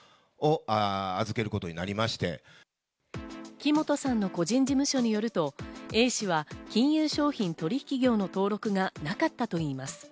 木本さんの個人事務所によると、Ａ氏は金融商品取引業の登録がなかったといいます。